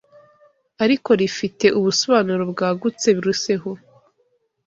ariko rifite ubusobanuro bwagutse biruseho